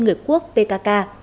người quốc pkk